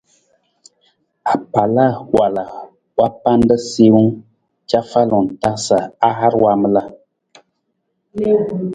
Apaala wala wa panda siiwung cafalung ta sa a har waamala.